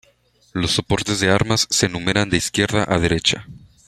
Los soportes de armas se numeran de izquierda a derecha.